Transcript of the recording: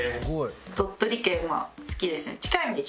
鳥取県は好きですね。